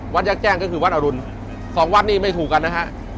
ยักษ์แจ้งก็คือวัดอรุณสองวัดนี่ไม่ถูกกันนะฮะ